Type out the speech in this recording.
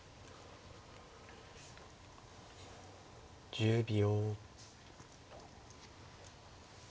１０秒。